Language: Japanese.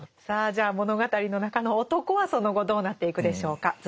さあじゃあ物語の中の男はその後どうなっていくでしょうか。